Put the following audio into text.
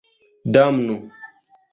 Damnu!